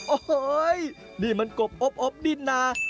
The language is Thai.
โอ้โหนี่มันกบอบดินนะ